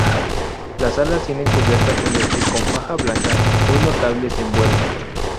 Las alas tienen cubierta celeste con faja blanca, muy notables en vuelo.